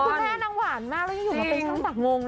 คุณแม่นางหวานมากแล้วยังอยู่มาเป็นช่างตักงง